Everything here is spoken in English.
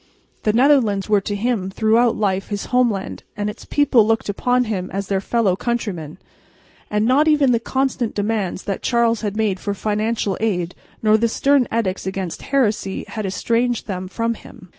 The Netherlands were to him throughout life his homeland and its people looked upon him as a fellow countryman, and not even the constant demands that Charles had made for financial aid nor the stern edicts against heresy had estranged them from him.